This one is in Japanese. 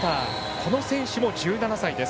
この選手も１７歳です。